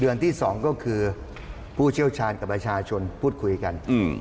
ที่๒ก็คือผู้เชี่ยวชาญกับประชาชนพูดคุยกัน